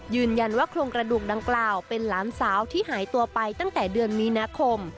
โครงกระดูกดังกล่าวเป็นหลานสาวที่หายตัวไปตั้งแต่เดือนมีนาคม